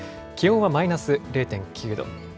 気温はマイナス０．９度。